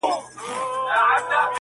هغه به اور له خپلو سترګو پرېولي.